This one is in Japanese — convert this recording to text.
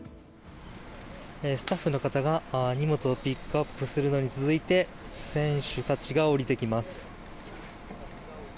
スタッフの方が荷物をピックアップするのに続いて選手たちが降りてきます。